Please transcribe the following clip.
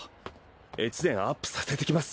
越前アップさせてきます。